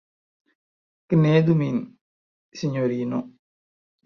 Knedu min, sinjorino!